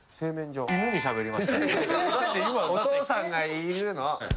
お父さんがいるの！